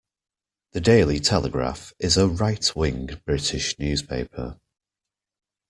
The Daily Telegraph is a right-wing British newspaper.